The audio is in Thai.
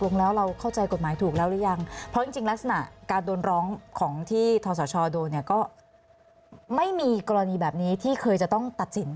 เพราะจริงลักษณะการโดนร้องของที่ทศโดเนี่ยก็ไม่มีกรณีแบบนี้ที่เคยจะต้องตัดสิน